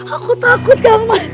aku takut kang mas